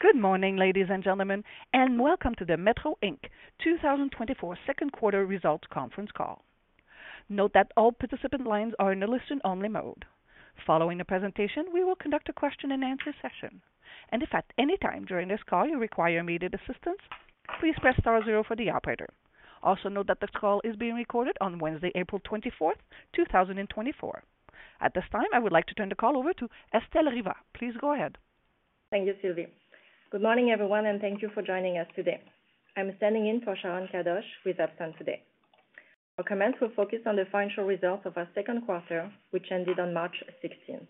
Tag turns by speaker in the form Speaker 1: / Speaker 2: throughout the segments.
Speaker 1: Good morning, ladies and gentlemen, and welcome to the Metro Inc. 2024 Second Quarter Results Conference Call. Note that all participant lines are in a listen-only mode. Following the presentation, we will conduct a question-and-answer session. In fact, anytime during this call you require immediate assistance, please press star zero for the operator. Also note that the call is being recorded on Wednesday, April 24, 2024. At this time, I would like to turn the call over to Estelle Riva. Please go ahead.
Speaker 2: Thank you, Sylvie. Good morning, everyone, and thank you for joining us today. I'm standing in for Sharon Kadoch, who is absent today. Our comments will focus on the financial results of our second quarter, which ended on March 16.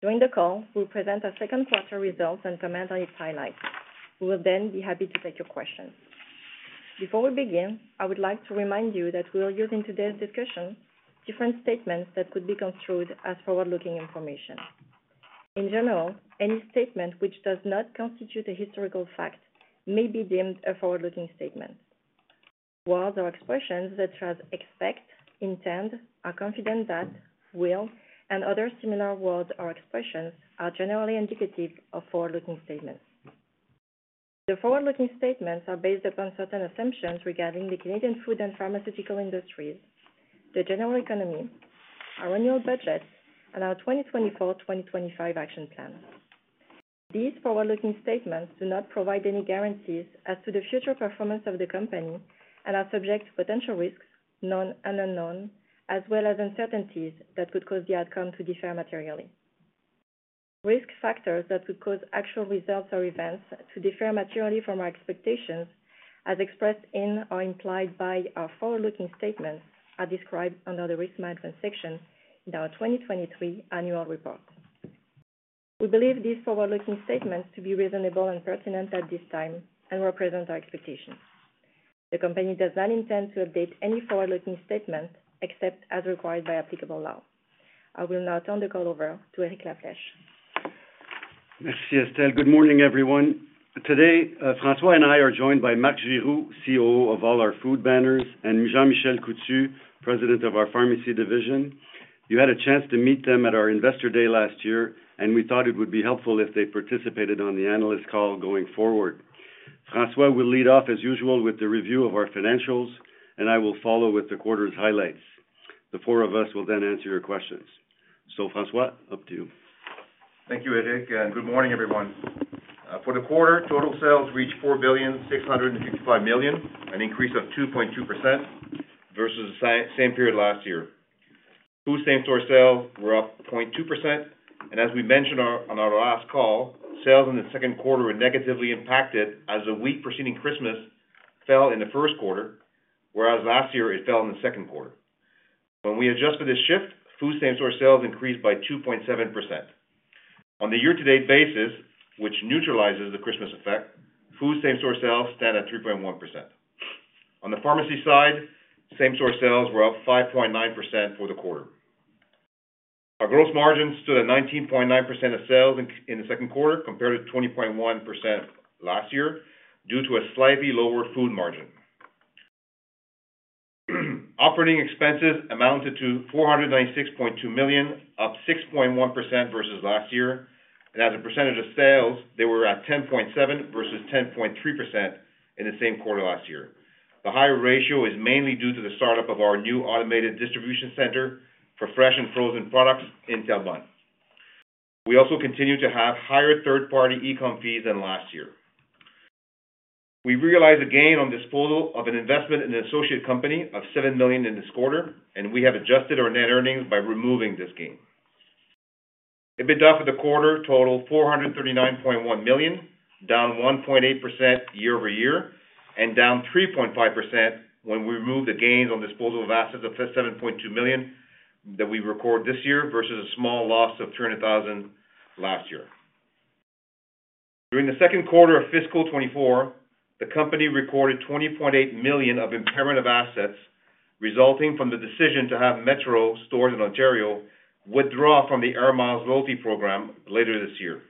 Speaker 2: During the call, we will present our second-quarter results and comment on its highlights. We will then be happy to take your questions. Before we begin, I would like to remind you that we will use in today's discussion different statements that could be construed as forward-looking information. In general, any statement which does not constitute a historical fact may be deemed a forward-looking statement. Words or expressions such as "expect," "intend," "are confident that," "will," and other similar words or expressions are generally indicative of forward-looking statements. The forward-looking statements are based upon certain assumptions regarding the Canadian food and pharmaceutical industries, the general economy, our annual budget, and our 2024-2025 action plan. These forward-looking statements do not provide any guarantees as to the future performance of the company and are subject to potential risks, known and unknown, as well as uncertainties that could cause the outcome to differ materially. Risk factors that could cause actual results or events to differ materially from our expectations, as expressed in or implied by our forward-looking statements, are described under the Risk Management section in our 2023 annual report. We believe these forward-looking statements to be reasonable and pertinent at this time and represent our expectations. The company does not intend to update any forward-looking statement except as required by applicable law. I will now turn the call over to Eric La Flèche.
Speaker 3: Merci, Estelle. Good morning, everyone. Today, François and I are joined by Marc Giroux, COO of all our food banners, and Jean-Michel Coutu, president of our pharmacy division. You had a chance to meet them at our Investor Day last year, and we thought it would be helpful if they participated on the analyst call going forward. François will lead off, as usual, with the review of our financials, and I will follow with the quarter's highlights. The four of us will then answer your questions. So, François, up to you.
Speaker 4: Thank you, Eric, and good morning, everyone. For the quarter, total sales reached 4.655 billion, an increase of 2.2% versus the same period last year. Food same-store sales were up 0.2%, and as we mentioned on our last call, sales in the second quarter were negatively impacted as the week preceding Christmas fell in the first quarter, whereas last year it fell in the second quarter. When we adjust for this shift, food same-store sales increased by 2.7%. On the year-to-date basis, which neutralizes the Christmas effect, food same-store sales stand at 3.1%. On the pharmacy side, same-store sales were up 5.9% for the quarter. Our gross margin stood at 19.9% of sales in the second quarter compared to 20.1% last year due to a slightly lower food margin. Operating expenses amounted to 496.2 million, up 6.1% versus last year, and as a percentage of sales, they were at 10.7% versus 10.3% in the same quarter last year. The higher ratio is mainly due to the startup of our new automated distribution center for fresh and frozen products in Terrebonne. We also continue to have higher third-party e-comm fees than last year. We realize a gain on disposal of an investment in an associate company of 7 million in this quarter, and we have adjusted our net earnings by removing this gain. EBITDA for the quarter totaled 439.1 million, down 1.8% year-over-year, and down 3.5% when we removed the gains on disposal of assets of 7.2 million that we record this year versus a small loss of 300,000 last year. During the second quarter of fiscal 2024, the company recorded 20.8 million of impairment of assets resulting from the decision to have Metro stores in Ontario withdraw from the Air Miles loyalty program later this year.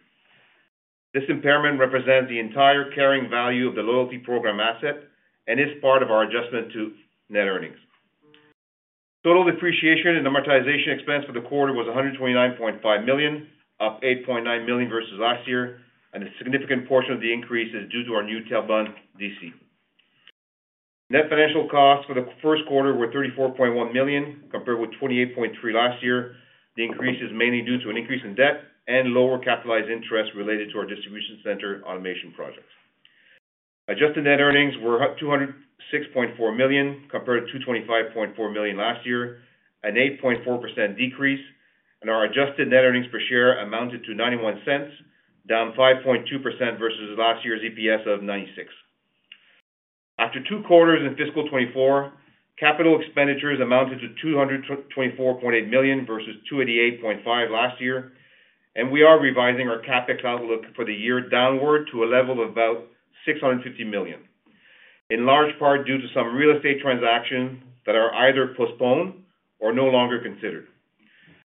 Speaker 4: This impairment represents the entire carrying value of the loyalty program asset and is part of our adjustment to net earnings. Total depreciation and amortization expense for the quarter was 129.5 million, up 8.9 million versus last year, and a significant portion of the increase is due to our new Terrebonne DC. Net financial costs for the first quarter were 34.1 million compared with 28.3 million last year. The increase is mainly due to an increase in debt and lower capitalized interest related to our distribution center automation project. Adjusted net earnings were 206.4 million compared to 225.4 million last year, an 8.4% decrease, and our adjusted net earnings per share amounted to 0.91, down 5.2% versus last year's EPS of 0.96. After two quarters in fiscal 2024, capital expenditures amounted to 224.8 million versus 288.5 last year, and we are revising our CapEx outlook for the year downward to a level of about 650 million, in large part due to some real estate transactions that are either postponed or no longer considered.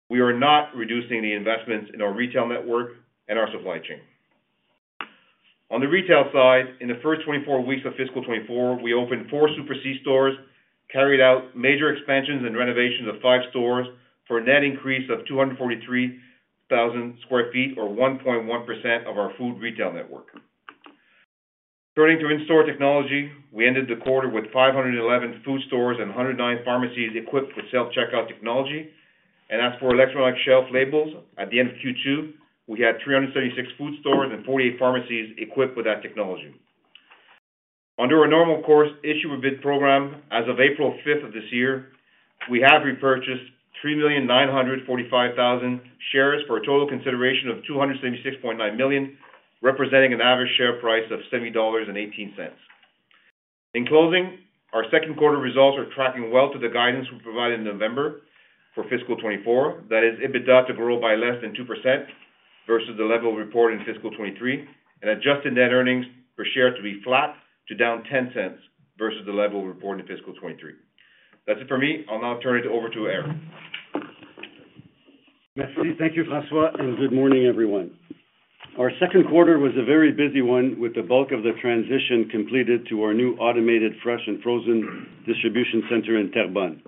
Speaker 4: We are not reducing the investments in our retail network and our supply chain. On the retail side, in the first 24 weeks of fiscal 2024, we opened four Super C stores, carried out major expansions and renovations of five stores for a net increase of 243,000 sq ft, or 1.1% of our food retail network. Turning to in-store technology, we ended the quarter with 511 food stores and 109 pharmacies equipped with self-checkout technology, and as for electronic shelf labels, at the end of Q2, we had 376 food stores and 48 pharmacies equipped with that technology. Under our normal course issuer bid program as of April 5th of this year, we have repurchased 3,945,000 shares for a total consideration of 276.9 million, representing an average share price of 70.18 dollars. In closing, our second quarter results are tracking well to the guidance we provided in November for fiscal 2024. That is, EBITDA to grow by less than 2% versus the level reported in fiscal 2023, and adjusted net earnings per share to be flat to down 0.10 versus the level reported in fiscal 2023. That's it for me. I'll now turn it over to Eric.
Speaker 3: Merci. Thank you, François, and good morning, everyone. Our second quarter was a very busy one with the bulk of the transition completed to our new automated fresh and frozen distribution center in Terrebonne.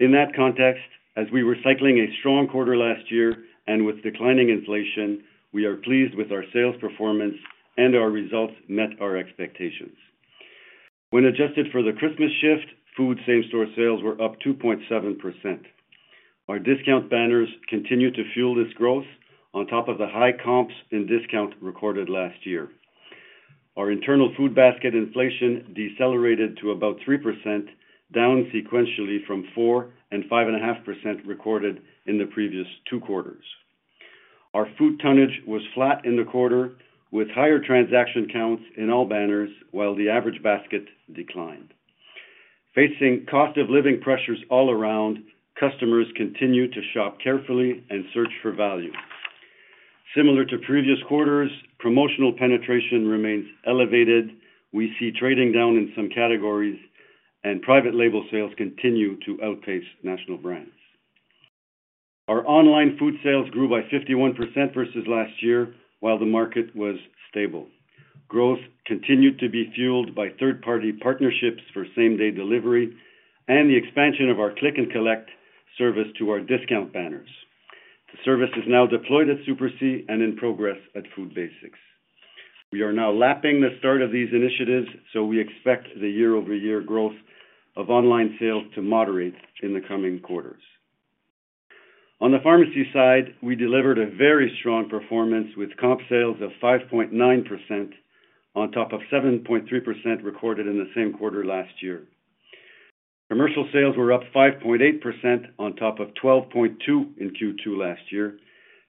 Speaker 3: In that context, as we're recycling a strong quarter last year and with declining inflation, we are pleased with our sales performance and our results met our expectations. When adjusted for the Christmas shift, food same-store sales were up 2.7%. Our discount banners continue to fuel this growth on top of the high comps and discount recorded last year. Our internal food basket inflation decelerated to about 3%, down sequentially from 4% and 5.5% recorded in the previous two quarters. Our food tonnage was flat in the quarter, with higher transaction counts in all banners while the average basket declined. Facing cost of living pressures all around, customers continue to shop carefully and search for value. Similar to previous quarters, promotional penetration remains elevated. We see trading down in some categories, and private label sales continue to outpace national brands. Our online food sales grew by 51% versus last year while the market was stable. Growth continued to be fueled by third-party partnerships for same-day delivery and the expansion of our click-and-collect service to our discount banners. The service is now deployed at Super C and in progress at Food Basics. We are now lapping the start of these initiatives, so we expect the year-over-year growth of online sales to moderate in the coming quarters. On the pharmacy side, we delivered a very strong performance with comp sales of 5.9% on top of 7.3% recorded in the same quarter last year. Commercial sales were up 5.8% on top of 12.2% in Q2 last year,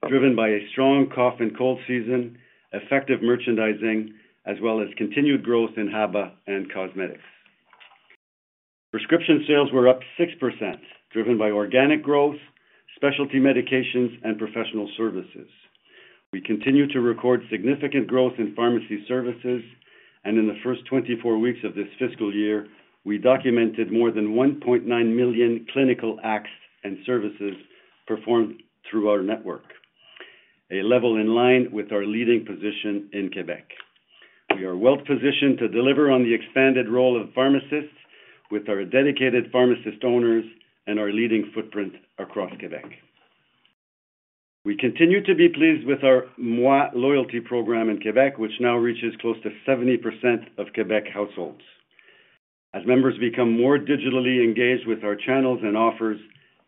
Speaker 3: driven by a strong cough-and-cold season, effective merchandising, as well as continued growth in HABA and cosmetics. Prescription sales were up 6%, driven by organic growth, specialty medications, and professional services. We continue to record significant growth in pharmacy services, and in the first 24 weeks of this fiscal year, we documented more than 1.9 million clinical acts and services performed through our network, a level in line with our leading position in Québec. We are well-positioned to deliver on the expanded role of pharmacists with our dedicated pharmacist owners and our leading footprint across Québec. We continue to be pleased with our Moi loyalty program in Québec, which now reaches close to 70% of Québec households. As members become more digitally engaged with our channels and offers,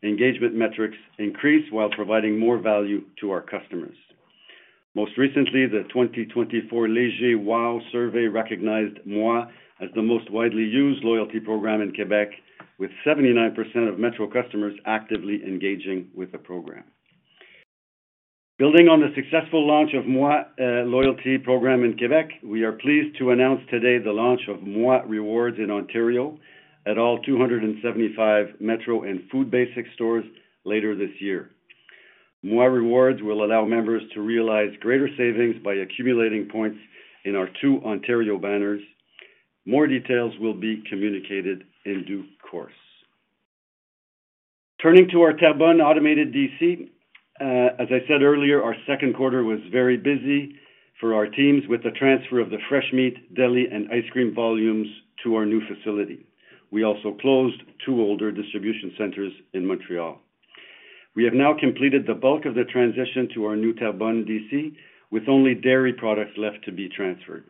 Speaker 3: engagement metrics increase while providing more value to our customers. Most recently, the 2024 Léger WOW survey recognized Moi as the most widely used loyalty program in Québec, with 79% of Metro customers actively engaging with the program. Building on the successful launch of Moi loyalty program in Québec, we are pleased to announce today the launch of Moi Rewards in Ontario at all 275 Metro and Food Basics stores later this year. Moi Rewards will allow members to realize greater savings by accumulating points in our two Ontario banners. More details will be communicated in due course. Turning to our Terrebonne automated DC, as I said earlier, our second quarter was very busy for our teams with the transfer of the fresh meat, deli, and ice cream volumes to our new facility. We also closed two older distribution centers in Montreal. We have now completed the bulk of the transition to our new Terrebonne DC, with only dairy products left to be transferred.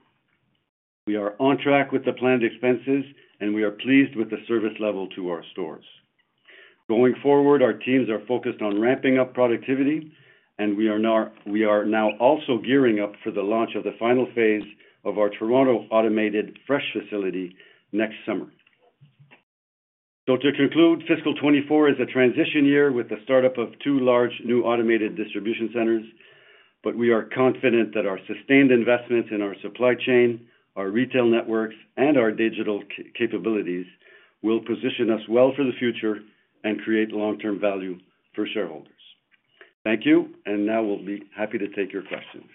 Speaker 3: We are on track with the planned expenses, and we are pleased with the service level to our stores. Going forward, our teams are focused on ramping up productivity, and we are now also gearing up for the launch of the final phase of our Toronto automated fresh facility next summer. To conclude, fiscal 2024 is a transition year with the startup of two large new automated distribution centers, but we are confident that our sustained investments in our supply chain, our retail networks, and our digital capabilities will position us well for the future and create long-term value for shareholders. Thank you, and now we'll be happy to take your questions.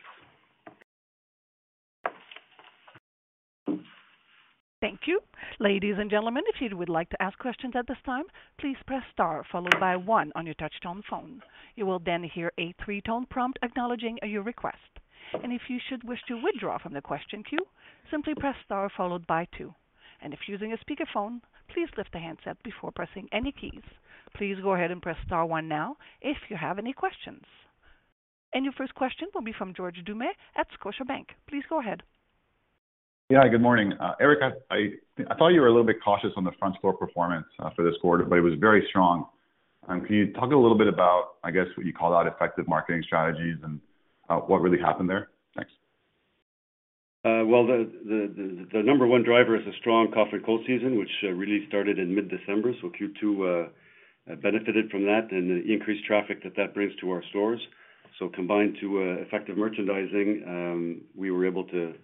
Speaker 1: Thank you. Ladies and gentlemen, if you would like to ask questions at this time, please press star followed by one on your touch-tone phone. You will then hear a three-tone prompt acknowledging your request. If you should wish to withdraw from the question queue, simply press star followed by two. If using a speakerphone, please lift the handset before pressing any keys. Please go ahead and press star one now if you have any questions. Your first question will be from George Doumet at Scotiabank. Please go ahead.
Speaker 5: Yeah, good morning. Eric, I thought you were a little bit cautious on the front-store performance for this quarter, but it was very strong. Can you talk a little bit about, I guess, what you called out effective marketing strategies and what really happened there? Thanks.
Speaker 3: Well, the number one driver is a strong cough-and-cold season, which really started in mid-December, so Q2 benefited from that and the increased traffic that that brings to our stores. So, combined with effective merchandising, we were able to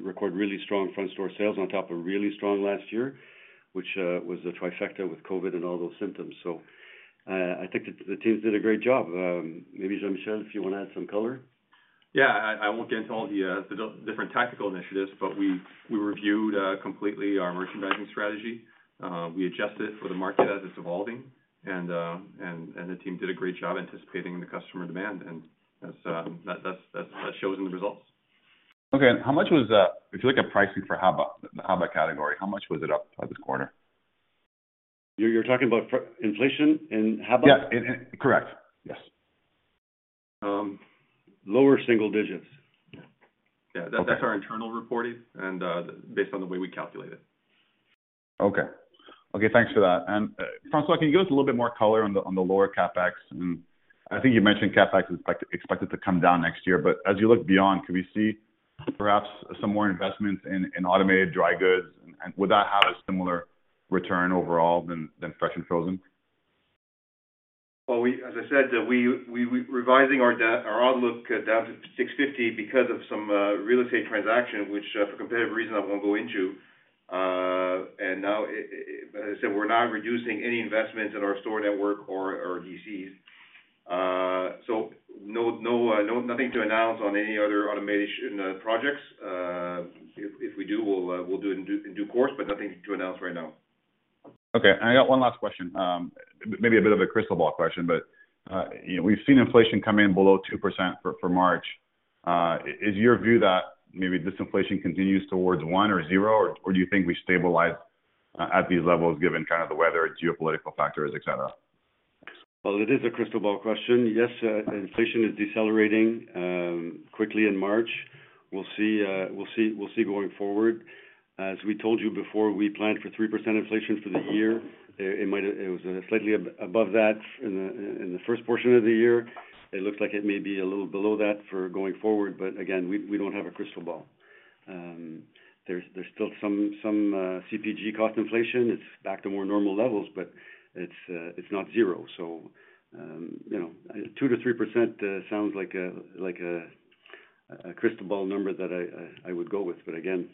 Speaker 3: record really strong front-store sales on top of really strong last year, which was a trifecta with COVID and all those symptoms. So, I think the teams did a great job. Maybe, Jean-Michel, if you want to add some color.
Speaker 4: Yeah, I won't get into all the different tactical initiatives, but we reviewed completely our merchandising strategy. We adjusted it for the market as it's evolving, and the team did a great job anticipating the customer demand, and that shows in the results.
Speaker 5: Okay, and how much was, if you look at pricing for HABA, the HABA category, how much was it up this quarter?
Speaker 3: You're talking about inflation in HABA?
Speaker 5: Yeah, correct. Yes.
Speaker 3: Lower single digits.
Speaker 4: Yeah, that's our internal reporting based on the way we calculate it.
Speaker 5: Okay. Okay, thanks for that. And, François, can you give us a little bit more color on the lower CapEx? And I think you mentioned CapEx is expected to come down next year, but as you look beyond, could we see perhaps some more investments in automated dry goods? And would that have a similar return overall than fresh and frozen?
Speaker 3: Well, as I said, we're revising our outlook down to 650 because of some real estate transaction, which for competitive reasons I won't go into. Now, as I said, we're not reducing any investments in our store network or DCs. So, nothing to announce on any other automation projects. If we do, we'll do it in due course, but nothing to announce right now.
Speaker 5: Okay, and I got one last question. Maybe a bit of a crystal ball question, but we've seen inflation come in below 2% for March. Is your view that maybe disinflation continues towards 1 or 0, or do you think we stabilize at these levels given kind of the weather, geopolitical factors, etc.?
Speaker 3: Well, it is a crystal ball question. Yes, inflation is decelerating quickly in March. We'll see going forward. As we told you before, we planned for 3% inflation for the year. It was slightly above that in the first portion of the year. It looks like it may be a little below that for going forward, but again, we don't have a crystal ball. There's still some CPG cost inflation. It's back to more normal levels, but it's not 0. So, 2%-3% sounds like a crystal ball number that I would go with, but again,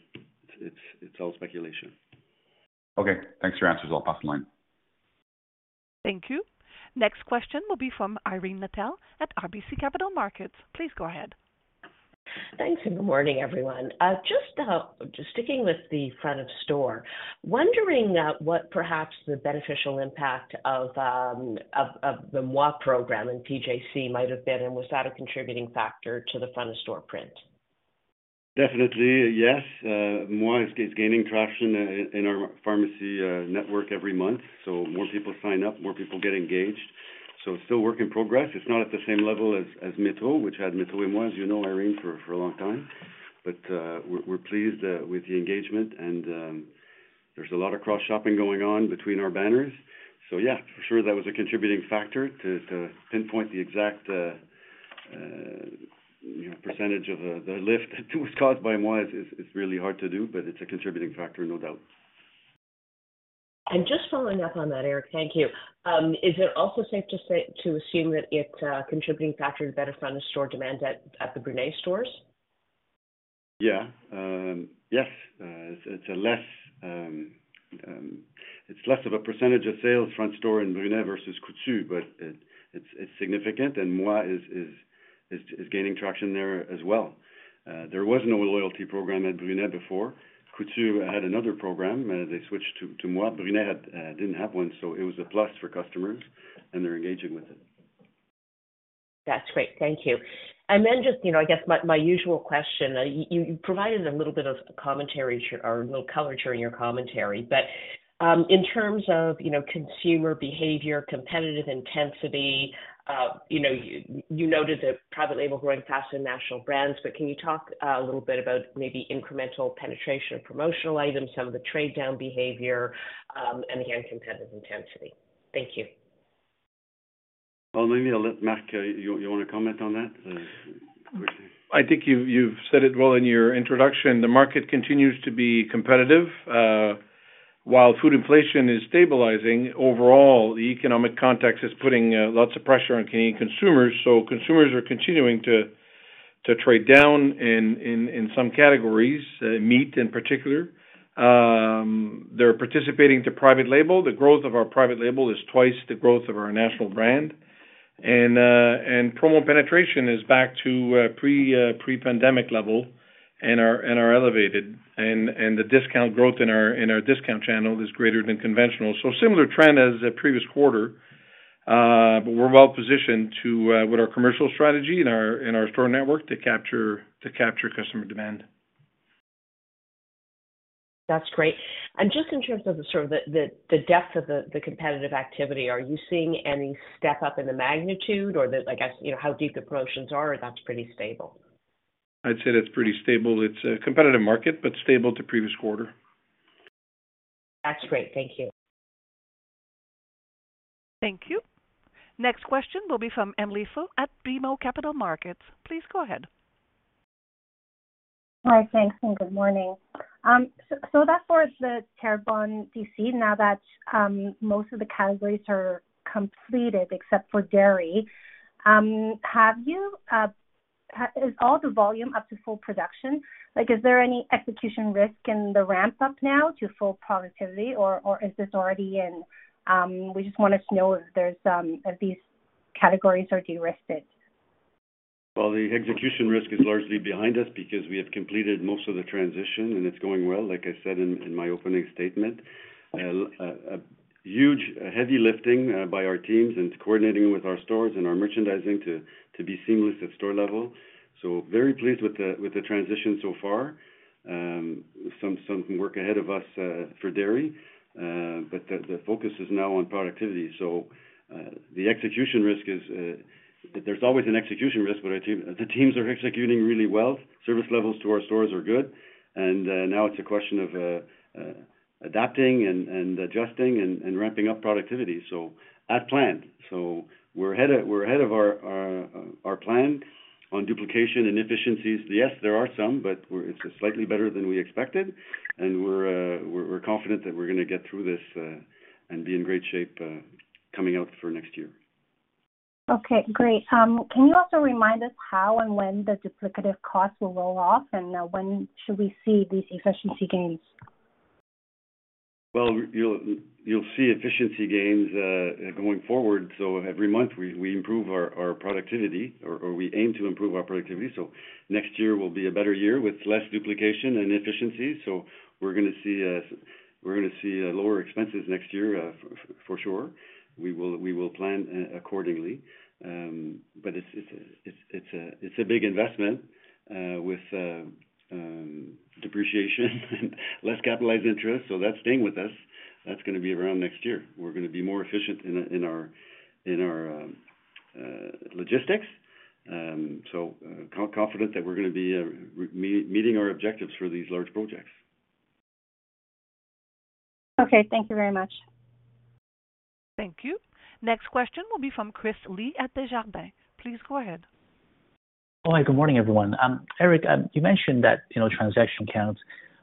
Speaker 3: it's all speculation.
Speaker 5: Okay, thanks for your answers. I'll pass the line.
Speaker 1: Thank you. Next question will be from Irene Nattel at RBC Capital Markets. Please go ahead.
Speaker 6: Thanks. Good morning, everyone. Just sticking with the front of store, wondering what perhaps the beneficial impact of the Moi program in PJC might have been, and was that a contributing factor to the front-of-store print?
Speaker 3: Definitely, yes. Moi is gaining traction in our pharmacy network every month, so more people sign up, more people get engaged. So, still work in progress. It's not at the same level as Metro, which had Metro & Moi, as you know, Irene, for a long time. But we're pleased with the engagement, and there's a lot of cross-shopping going on between our banners. For sure, that was a contributing factor. To pinpoint the exact percentage of the lift that was caused by Moi is really hard to do, but it's a contributing factor, no doubt.
Speaker 6: Just following up on that, Eric, thank you. Is it also safe to assume that it's a contributing factor to better front-of-store demand at the Brunet stores?
Speaker 3: Yeah. Yes. It's less of a percentage of sales front store in Brunet versus Coutu, but it's significant, and Moi is gaining traction there as well. There was no loyalty program at Brunet before. Coutu had another program, and they switched to Moi. Brunet didn't have one, so it was a plus for customers, and they're engaging with it.
Speaker 6: That's great. Thank you. And then just, I guess, my usual question. You provided a little bit of commentary or a little color in your commentary, but in terms of consumer behavior, competitive intensity, you noted that private label growing faster than national brands, but can you talk a little bit about maybe incremental penetration of promotional items, some of the trade-down behavior, and again, competitive intensity? Thank you.
Speaker 3: Well, maybe Marc, you want to comment on that quickly?
Speaker 7: I think you've said it well in your introduction. The market continues to be competitive. While food inflation is stabilizing, overall, the economic context is putting lots of pressure on Canadian consumers, so consumers are continuing to trade down in some categories, meat in particular. They're participating to private label. The growth of our private label is twice the growth of our national brand. Promo penetration is back to pre-pandemic level and are elevated. The discount growth in our discount channel is greater than conventional. Similar trend as previous quarter, but we're well positioned with our commercial strategy and our store network to capture customer demand.
Speaker 6: That's great. Just in terms of sort of the depth of the competitive activity, are you seeing any step-up in the magnitude, or I guess how deep the promotions are, or that's pretty stable?
Speaker 7: I'd say that's pretty stable. It's a competitive market, but stable to previous quarter.
Speaker 6: That's great. Thank you.
Speaker 1: Thank you. Next question will be from Emily Foo at BMO Capital Markets. Please go ahead.
Speaker 8: Hi, thanks, and good morning. So, that's for the Terrebonne DC. Now that most of the categories are completed except for dairy, is all the volume up to full production? Is there any execution risk in the ramp-up now to full productivity, or is this already in? We just wanted to know if these categories are de-risked.
Speaker 3: Well, the execution risk is largely behind us because we have completed most of the transition, and it's going well, like I said in my opening statement. Huge, heavy lifting by our teams and coordinating with our stores and our merchandising to be seamless at store level. So, very pleased with the transition so far. Some work ahead of us for dairy, but the focus is now on productivity. So, the execution risk is there's always an execution risk, but the teams are executing really well. Service levels to our stores are good. And now it's a question of adapting and adjusting and ramping up productivity, so as planned. So, we're ahead of our plan on duplication and efficiencies. Yes, there are some, but it's slightly better than we expected. And we're confident that we're going to get through this and be in great shape coming out for next year.
Speaker 8: Okay, great. Can you also remind us how and when the duplicative costs will roll off, and when should we see these efficiency gains?
Speaker 3: Well, you'll see efficiency gains going forward. So, every month, we improve our productivity, or we aim to improve our productivity. So, next year will be a better year with less duplication and efficiencies. So, we're going to see lower expenses next year, for sure. We will plan accordingly. But it's a big investment with depreciation and less capitalized interest, so that's staying with us. That's going to be around next year. We're going to be more efficient in our logistics, so confident that we're going to be meeting our objectives for these large projects.
Speaker 8: Okay, thank you very much.
Speaker 1: Thank you. Next question will be from Chris Lee at Desjardins. Please go ahead.
Speaker 9: Hi, good morning, everyone. Eric, you mentioned that transaction counts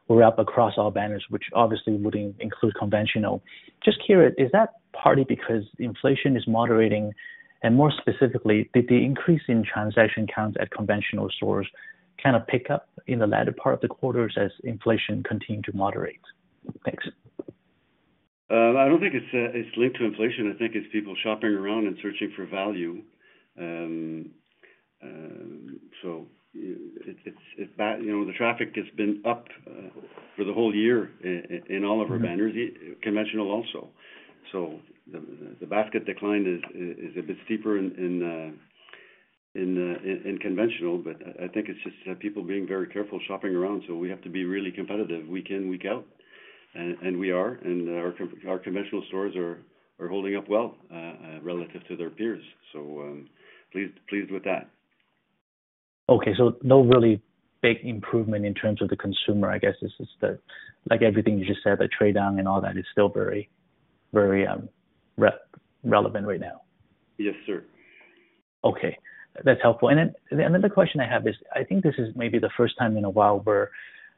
Speaker 9: were up across all banners, which obviously wouldn't include conventional. Just curious, is that partly because inflation is moderating, and more specifically, did the increase in transaction counts at conventional stores kind of pick up in the latter part of the quarters as inflation continued to moderate? Thanks.
Speaker 3: I don't think it's linked to inflation. I think it's people shopping around and searching for value. So, the traffic has been up for the whole year in all of our banners, conventional also. So, the basket decline is a bit steeper in conventional, but I think it's just people being very careful shopping around. So, we have to be really competitive week in, week out. And we are, and our conventional stores are holding up well relative to their peers. So, pleased with that.
Speaker 9: Okay, so no really big improvement in terms of the consumer, I guess. Like everything you just said, the trade-down and all that is still very relevant right now.
Speaker 3: Yes, sir.
Speaker 9: Okay, that's helpful. And then the question I have is, I think this is maybe the first time in a while where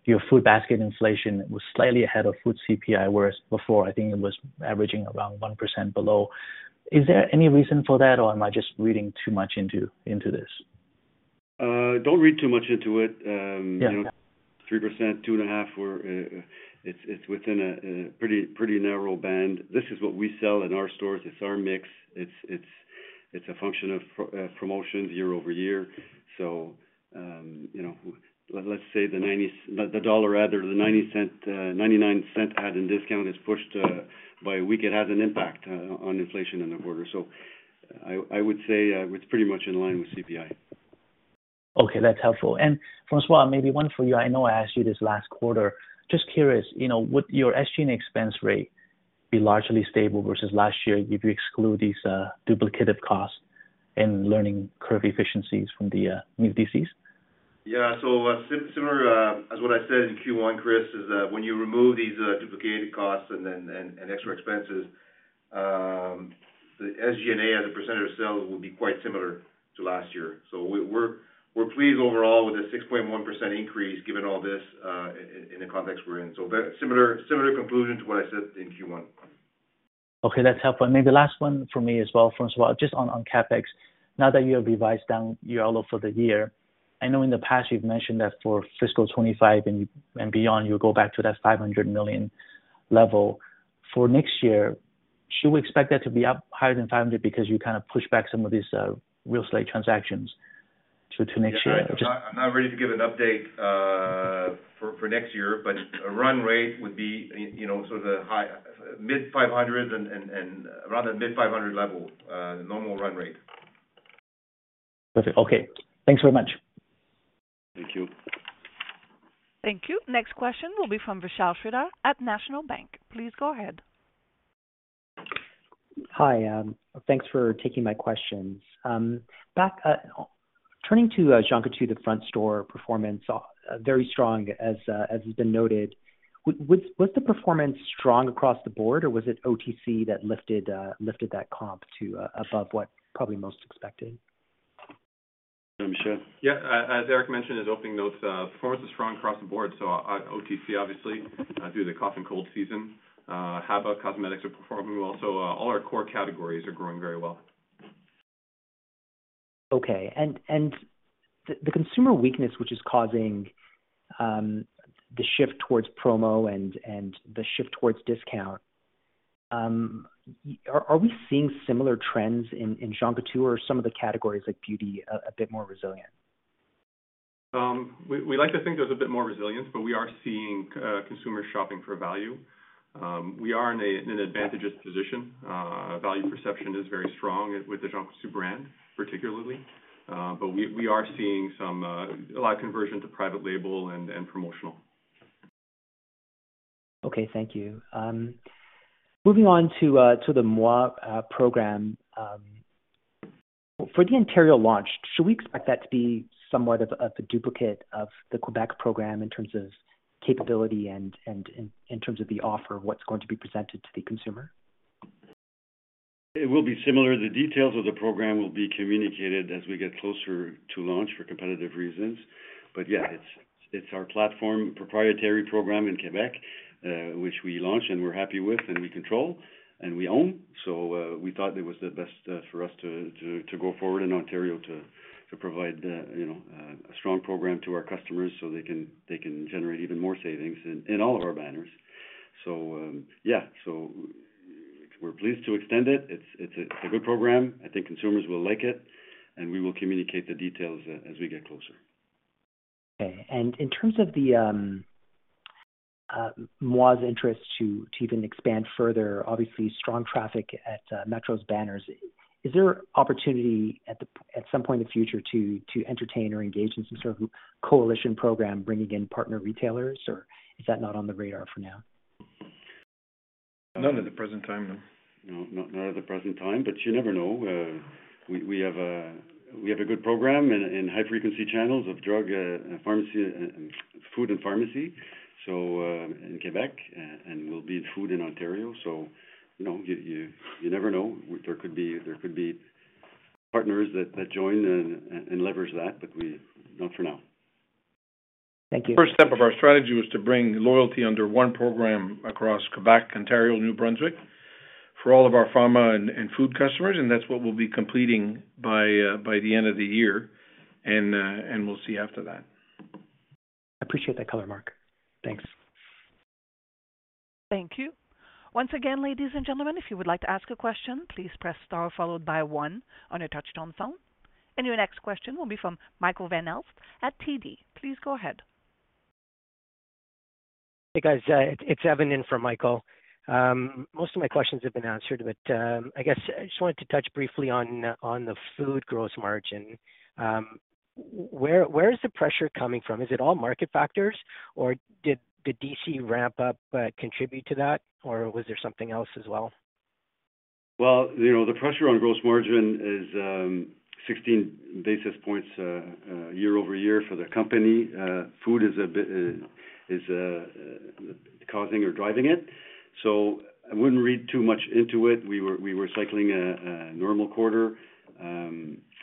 Speaker 9: your food basket inflation was slightly ahead of food CPI, whereas before, I think it was averaging around 1% below. Is there any reason for that, or am I just reading too much into this?
Speaker 3: Don't read too much into it. 3%, 2.5%, it's within a pretty narrow band. This is what we sell in our stores. It's our mix. It's a function of promotions year-over-year. So, let's say the dollar, rather, the 0.99 add-in discount is pushed by a week. It has an impact on inflation in the quarter. So, I would say it's pretty much in line with CPI.
Speaker 9: Okay, that's helpful. François, maybe one for you. I know I asked you this last quarter. Just curious, would your SG&A expense rate be largely stable versus last year if you exclude these duplicative costs and learning curve efficiencies from the new DCs?
Speaker 3: Yeah, so similar as what I said in Q1, Chris, is when you remove these duplicated costs and extra expenses, the SG&A as a percentage of sales would be quite similar to last year. So, we're pleased overall with the 6.1% increase given all this in the context we're in. So, similar conclusion to what I said in Q1.
Speaker 9: Okay, that's helpful. And maybe last one for me as well, François, just on CapEx. Now that you have revised down your outlook for the year, I know in the past you've mentioned that for fiscal 2025 and beyond, you'll go back to that 500 million level. For next year, should we expect that to be higher than 500 because you kind of pushed back some of these real estate transactions to next year?
Speaker 3: Yeah, I'm not ready to give an update for next year, but a run rate would be sort of mid-500s and around the mid-500 level, normal run rate.
Speaker 9: Perfect. Okay, thanks very much.
Speaker 3: Thank you.
Speaker 1: Thank you. Next question will be from Vishal Shreedhar at National Bank. Please go ahead.
Speaker 10: Hi. Thanks for taking my questions. Turning to Jean Coutu, the front store performance, very strong as has been noted. Was the performance strong across the board, or was it OTC that lifted that comp to above what probably most expected?
Speaker 3: Yeah, I'm sure.
Speaker 4: Yeah, as Eric mentioned in his opening notes, performance is strong across the board, so OTC, obviously, due to the cough and cold season. HABA, cosmetics are performing well. So, all our core categories are growing very well. Okay. And the consumer weakness, which is causing the shift towards promo and the shift towards discount, are we seeing similar trends in Jean Coutu, or are some of the categories like beauty a bit more resilient? We like to think there's a bit more resilience, but we are seeing consumers shopping for value. We are in an advantageous position. Value perception is very strong with the Jean Coutu brand, particularly, but we are seeing a lot of conversion to private label and promotional.
Speaker 10: Okay, thank you. Moving on to the Moi program. For the Ontario launch, should we expect that to be somewhat of a duplicate of the Quebec program in terms of capability and in terms of the offer of what's going to be presented to the consumer?
Speaker 3: It will be similar. The details of the program will be communicated as we get closer to launch for competitive reasons. But yeah, it's our platform, proprietary program in Quebec, which we launch and we're happy with and we control and we own. So, we thought it was the best for us to go forward in Ontario to provide a strong program to our customers so they can generate even more savings in all of our banners. So yeah, so we're pleased to extend it. It's a good program. I think consumers will like it, and we will communicate the details as we get closer.
Speaker 10: Okay. And in terms of the Moi's interest to even expand further, obviously, strong traffic at Metro's banners, is there opportunity at some point in the future to entertain or engage in some sort of coalition program bringing in partner retailers, or is that not on the radar for now?
Speaker 3: None at the present time, no. No, not at the present time, but you never know. We have a good program in high-frequency channels of food and pharmacy, so in Quebec, and we'll be in food in Ontario. So you never know. There could be partners that join and leverage that, but not for now.
Speaker 10: Thank you.
Speaker 7: First step of our strategy was to bring loyalty under one program across Quebec, Ontario, New Brunswick for all of our pharma and food customers, and that's what we'll be completing by the end of the year. We'll see after that.
Speaker 10: I appreciate that color, Marc. Thanks.
Speaker 1: Thank you. Once again, ladies and gentlemen, if you would like to ask a question, please press star followed by one on your touch-tone phone. Your next question will be from Michael Van Aelst at TD. Please go ahead.
Speaker 11: Hey, guys. It's Evan in from Michael. Most of my questions have been answered, but I guess I just wanted to touch briefly on the food gross margin. Where is the pressure coming from? Is it all market factors, or did DC ramp-up contribute to that, or was there something else as well?
Speaker 3: Well, the pressure on gross margin is 16 basis points year-over-year for the company. Food is causing or driving it. So I wouldn't read too much into it. We were cycling a normal quarter.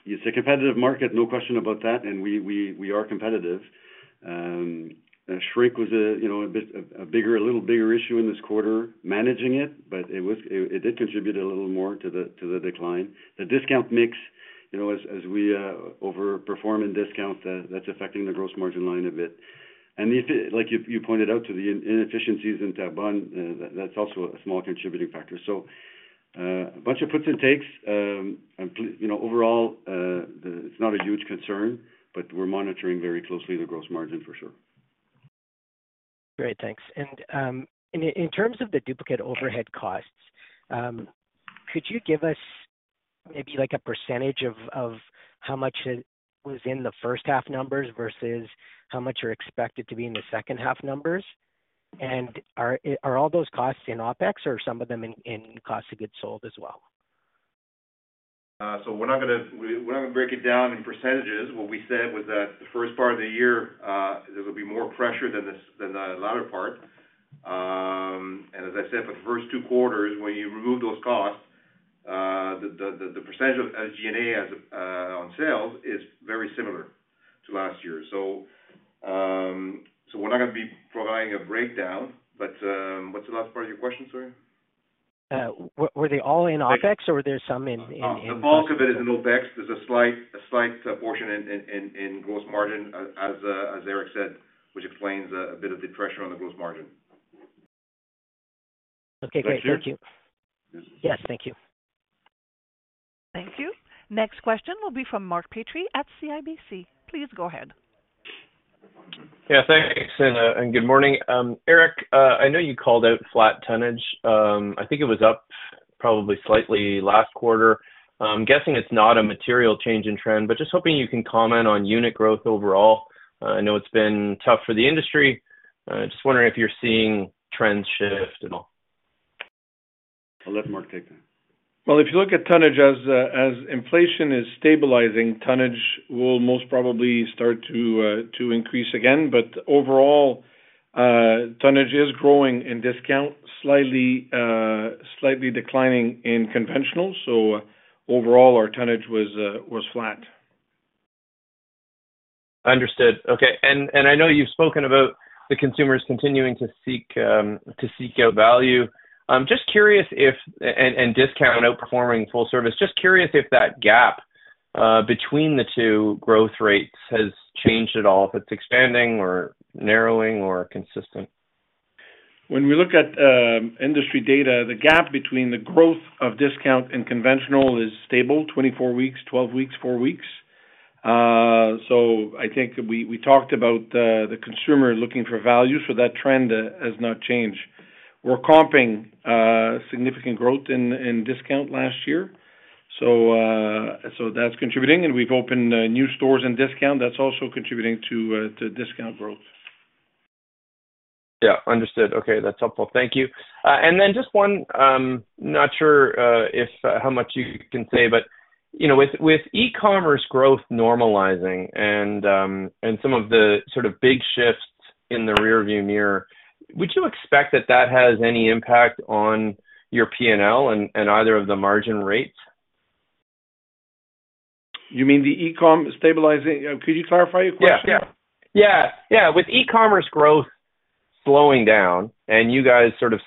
Speaker 3: It's a competitive market, no question about that, and we are competitive. Shrink was a little bigger issue in this quarter, managing it, but it did contribute a little more to the decline. The discount mix, as we overperform in discount, that's affecting the gross margin line a bit. And like you pointed out, the inefficiencies in Terrebonne, that's also a small contributing factor. So, a bunch of puts and takes. Overall, it's not a huge concern, but we're monitoring very closely the gross margin, for sure.
Speaker 11: Great, thanks. In terms of the duplicate overhead costs, could you give us maybe a percentage of how much was in the first-half numbers versus how much you're expected to be in the second-half numbers? Are all those costs in OPEX, or are some of them in cost of goods sold as well?
Speaker 3: We're not going to break it down in percentages. What we said was that the first part of the year, there will be more pressure than the latter part. As I said, for the first two quarters, when you remove those costs, the percentage of SG&A on sales is very similar to last year. We're not going to be providing a breakdown, but what's the last part of your question, sir?
Speaker 11: Were they all in OpEx, or were there some in?
Speaker 12: The bulk of it is in OPEX. There's a slight portion in gross margin, as Eric said, which explains a bit of the pressure on the gross margin.
Speaker 11: Okay, great. Thank you. Yes, thank you.
Speaker 1: Thank you. Next question will be from Mark Petrie at CIBC. Please go ahead.
Speaker 13: Yeah, thanks, and good morning. Eric, I know you called out flat tonnage. I think it was up probably slightly last quarter. I'm guessing it's not a material change in trend, but just hoping you can comment on unit growth overall. I know it's been tough for the industry. Just wondering if you're seeing trends shift at all.
Speaker 3: I'll let Mark take that.
Speaker 7: Well, if you look at tonnage, as inflation is stabilizing, tonnage will most probably start to increase again. But overall, tonnage is growing in discount, slightly declining in conventional. So overall, our tonnage was flat.
Speaker 13: Understood. Okay. I know you've spoken about the consumers continuing to seek out value. Just curious if discount outperforming full service. Just curious if that gap between the two growth rates has changed at all, if it's expanding or narrowing or consistent.
Speaker 7: When we look at industry data, the gap between the growth of discount in conventional is stable: 24 weeks, 12 weeks, 4 weeks. So I think we talked about the consumer looking for value, so that trend has not changed. We're comping significant growth in discount last year, so that's contributing. And we've opened new stores in discount. That's also contributing to discount growth.
Speaker 13: Yeah, understood. Okay, that's helpful. Thank you. And then just one, not sure how much you can say, but with e-commerce growth normalizing and some of the sort of big shifts in the rearview mirror, would you expect that that has any impact on your P&L and either of the margin rates?
Speaker 7: You mean the e-com stabilizing? Could you clarify your question?
Speaker 13: Yeah, yeah. Yeah, yeah. With e-commerce growth slowing down and you guys sort of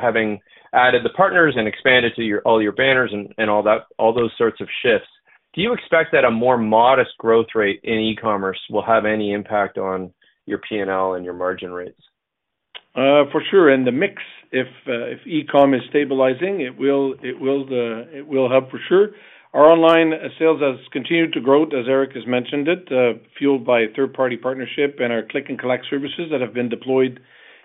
Speaker 13: having added the partners and expanded to all your banners and all those sorts of shifts, do you expect that a more modest growth rate in e-commerce will have any impact on your P&L and your margin rates?
Speaker 7: For sure. And the mix, if e-com is stabilizing, it will help for sure. Our online sales has continued to grow, as Eric has mentioned it, fueled by third-party partnership and our click-and-collect services that have been deployed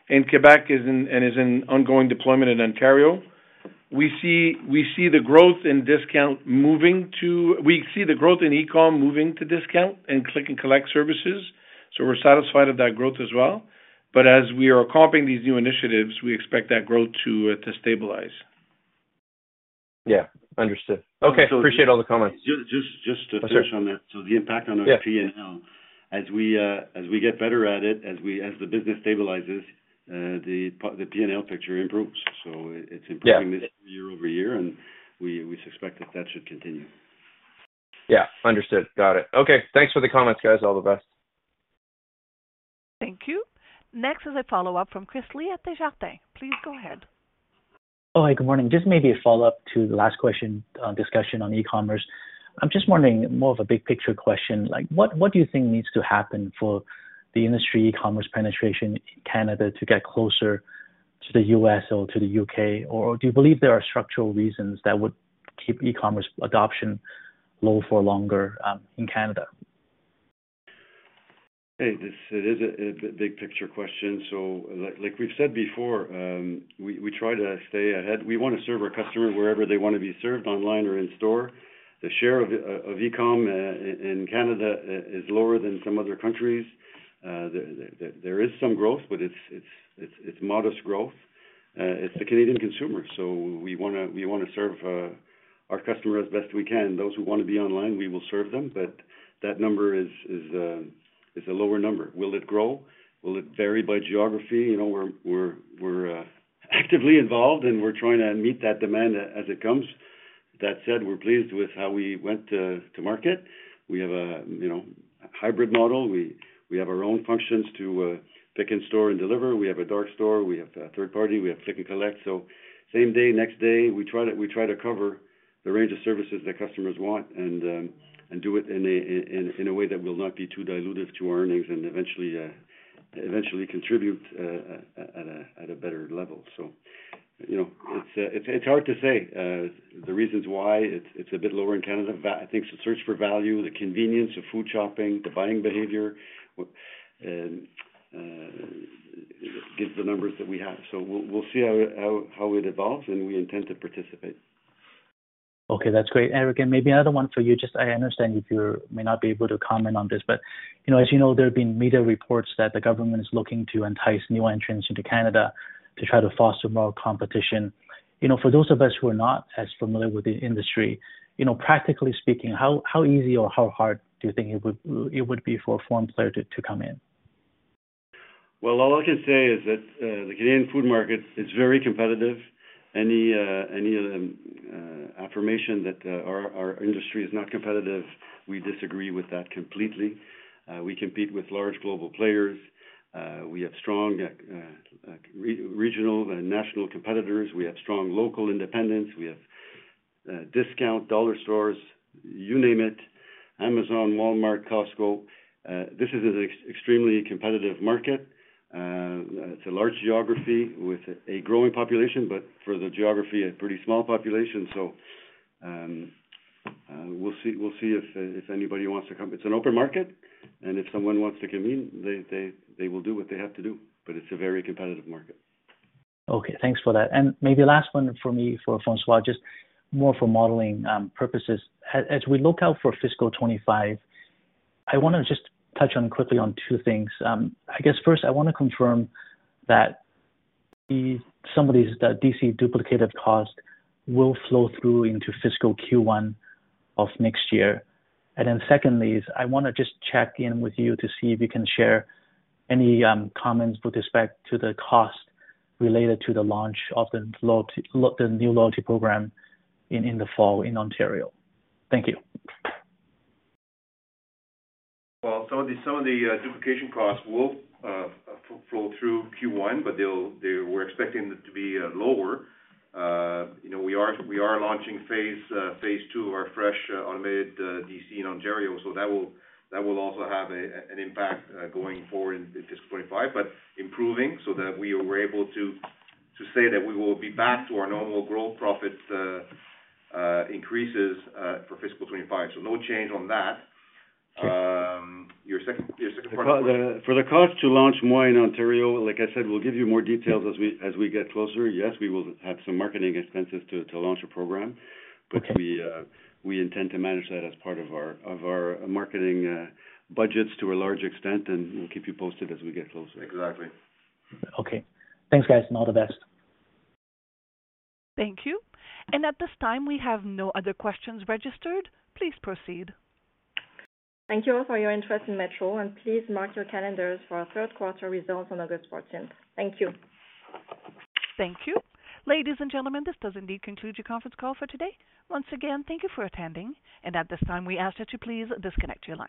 Speaker 7: in Quebec and is in ongoing deployment in Ontario. We see the growth in e-com moving to discount and click-and-collect services. So we're satisfied with that growth as well. But as we are comping these new initiatives, we expect that growth to stabilize.
Speaker 13: Yeah, understood. Okay, appreciate all the comments.
Speaker 3: Just to touch on that, so the impact on our P&L, as we get better at it, as the business stabilizes, the P&L picture improves. So it's improving this year over year, and we suspect that that should continue.
Speaker 13: Yeah, understood. Got it. Okay, thanks for the comments, guys. All the best.
Speaker 1: Thank you. Next is a follow-up from Chris Lee at Desjardins. Please go ahead.
Speaker 9: All right, good morning. Just maybe a follow-up to the last question discussion on e-commerce. I'm just wondering more of a big-picture question. What do you think needs to happen for the industry e-commerce penetration in Canada to get closer to the U.S. or to the U.K.? Or do you believe there are structural reasons that would keep e-commerce adoption low for longer in Canada?
Speaker 3: Hey, this is a big-picture question. So like we've said before, we try to stay ahead. We want to serve our customer wherever they want to be served, online or in-store. The share of e-com in Canada is lower than some other countries. There is some growth, but it's modest growth. It's the Canadian consumer, so we want to serve our customer as best we can. Those who want to be online, we will serve them, but that number is a lower number. Will it grow? Will it vary by geography? We're actively involved, and we're trying to meet that demand as it comes. That said, we're pleased with how we went to market. We have a hybrid model. We have our own functions to pick and store and deliver. We have a dark store. We have third-party. We have click-and-collect. So same day, next day, we try to cover the range of services that customers want and do it in a way that will not be too diluted to our earnings and eventually contribute at a better level. So it's hard to say the reasons why it's a bit lower in Canada. I think the search for value, the convenience of food shopping, the buying behavior gives the numbers that we have. So we'll see how it evolves, and we intend to participate.
Speaker 9: Okay, that's great. Eric, and maybe another one for you. Just, I understand you may not be able to comment on this, but as you know, there have been media reports that the government is looking to entice new entrants into Canada to try to foster more competition. For those of us who are not as familiar with the industry, practically speaking, how easy or how hard do you think it would be for a foreign player to come in?
Speaker 3: Well, all I can say is that the Canadian food market is very competitive. Any affirmation that our industry is not competitive, we disagree with that completely. We compete with large global players. We have strong regional and national competitors. We have strong local independents. We have discount dollar stores, you name it: Amazon, Walmart, Costco. This is an extremely competitive market. It's a large geography with a growing population, but for the geography, a pretty small population. So we'll see if anybody wants to come. It's an open market, and if someone wants to come in, they will do what they have to do, but it's a very competitive market.
Speaker 9: Okay, thanks for that. And maybe last one for me, for François, just more for modeling purposes. As we look out for fiscal 2025, I want to quickly on two things. I guess first, I want to confirm that some of these DC duplicated costs will flow through into fiscal Q1 of next year. And then secondly, I want to just check in with you to see if you can share any comments with respect to the cost related to the launch of the new loyalty program in the fall in Ontario. Thank you.
Speaker 3: Well, some of the duplication costs will flow through Q1, but we're expecting it to be lower. We are launching phase II of our fresh automated DC in Ontario, so that will also have an impact going forward in fiscal 2025, but improving so that we were able to say that we will be back to our normal growth profit increases for fiscal 2025. So no change on that. Your second part. For the cost to launch more in Ontario, like I said, we'll give you more details as we get closer. Yes, we will have some marketing expenses to launch a program, but we intend to manage that as part of our marketing budgets to a large extent, and we'll keep you posted as we get closer. Exactly.
Speaker 9: Okay. Thanks, guys, and all the best.
Speaker 1: Thank you. At this time, we have no other questions registered. Please proceed.
Speaker 2: Thank you all for your interest in Metro, and please mark your calendars for our third-quarter results on August 14th. Thank you.
Speaker 1: Thank you. Ladies and gentlemen, this does indeed conclude your conference call for today. Once again, thank you for attending, and at this time, we ask that you please disconnect your line.